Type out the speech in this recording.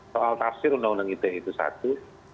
soal tafsir undang undang ite itu satu